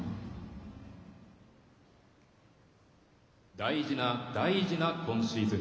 大事な大事な今シーズン。